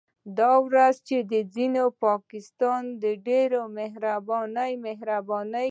دا ورځې چې ځينې په پاکستان ډېر مهربانه مهربانه کېږي